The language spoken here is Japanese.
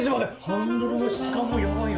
ハンドルの質感もヤバいな。